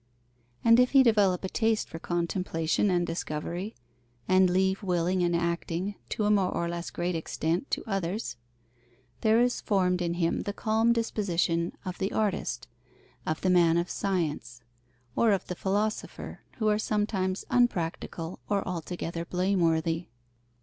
And if he develop a taste for contemplation and discovery, and leave willing and acting, to a more or less great extent, to others, there is formed in him the calm disposition of the artist, of the man of science, or of the philosopher, who are sometimes unpractical or altogether blameworthy.